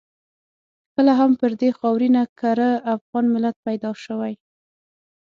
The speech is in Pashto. کله هم پر دې خاورینه کره افغان ملت پیدا شوی.